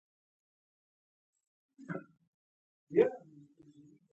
افغانستان تر هغو نه ابادیږي، ترڅو د لرګیو قاچاق بند نشي.